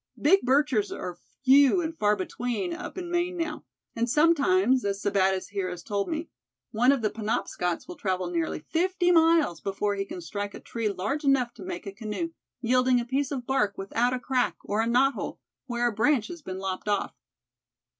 Big birches are few and far between up in Maine now, and sometimes, as Sebattis here has told me, one of the Penobscots will travel nearly fifty miles before he can strike a tree large enough to make a canoe, yielding a piece of bark without a crack, or a knot hole, where a branch has been lopped off."